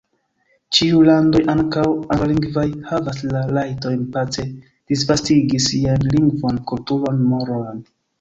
Ĉiuj landoj, ankaŭ anglalingvaj, havas la rajton pace disvastigi siajn lingvon, kulturon, morojn.